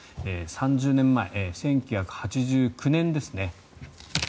３０年前、１９８９年ですね。